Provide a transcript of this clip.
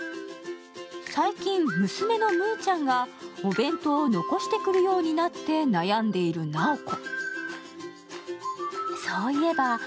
最近、娘のむーちゃんがお弁当を残してくるようになって悩んでいるなおこ。